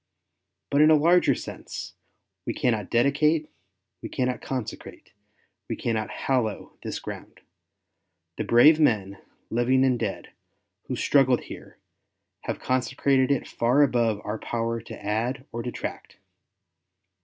But in a larger sense we cannot dedicate, we cannot consecrate, we cannot hallow this ground. The brave men, living and dead, who struggled here, have consecrated it far above our power to add or detract.